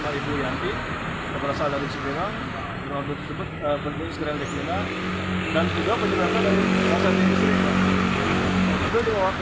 baruan alhamdulillah tidak ada pak semuanya selamat